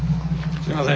すみません